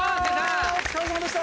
お疲れさまでした。